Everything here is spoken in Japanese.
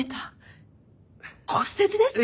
骨折ですか？